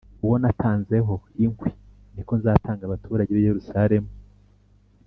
uwo natanzeho inkwi, ni ko nzatanga abaturage b’i Yerusalemu